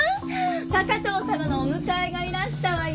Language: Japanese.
高藤様のお迎えがいらしたわよ！